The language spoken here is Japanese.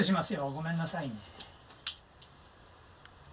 ごめんなさいね。